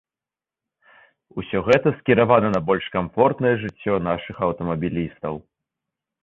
Усё гэта скіравана на больш камфортнае жыццё нашых аўтамабілістаў.